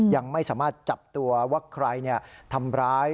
ยังไม่สามารถจับตัวว่าใครทำร้าย